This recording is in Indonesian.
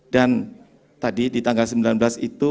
dan tadi di tanggal sembilan belas itu